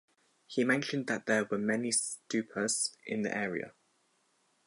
He mentioned that there were many stupas in the area.